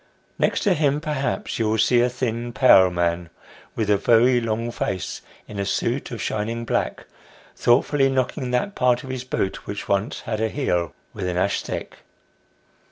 Next to him, perhaps, you will see a thin pale man, with a very long face, in a suit of shining black, thoughtfully knocking that part of his boot which once had a heel, with an ash stick.